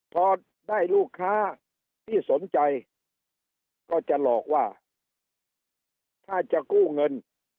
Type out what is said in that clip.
พอได้ลูกค้าที่สนใจก็จะหลอกว่าถ้าจะกู้เงิน